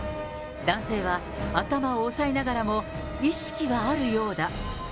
男性は頭を押さえながらも意識はあるようだ。